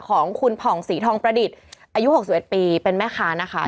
ของคุณผ่องศรีทองประดิษฐ์อายุ๖๑ปีเป็นแม่ค้านะคะ